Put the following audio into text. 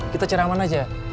kita cari yang mana aja ya